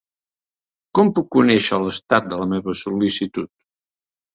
Com puc conèixer l'estat de la meva sol·licitud?